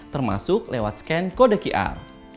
termasuk lewat scan kode qr